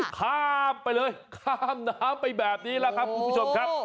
ข้ามไปเลยข้ามน้ำไปแบบนี้แหละครับคุณผู้ชมครับ